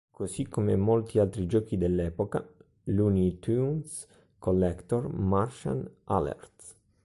Così come molti altri giochi dell'epoca, "Looney Tunes Collector: Martian Alert!